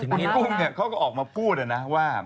คุณกุ้มเนี่ยเขาก็ออกมาพูดเลยนะว่า